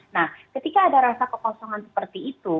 nah ketika ada rasa kekosongan seperti itu